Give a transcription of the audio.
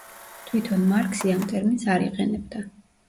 თვითონ მარქსი ამ ტერმინს არ იყენებდა.